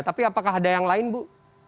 tapi apakah ada yang lain bu